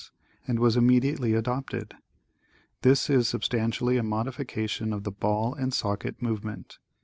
and was im mediately adopted. This is substantially a modification of the ball and socket movement.